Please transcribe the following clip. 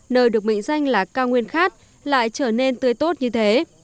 nơi được mệnh danh là cao nguyên khát lại trở nên tươi tốt như thế